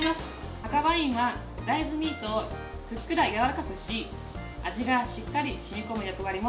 赤ワインが大豆ミートをふっくらやわらかくし味がしっかり染み込む役割も